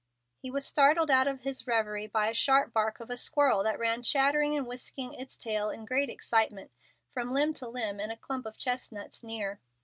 He was startled out of his revery by the sharp bark of a squirrel that ran chattering and whisking its tail in great excitement from limb to limb in a clump of chestnuts near.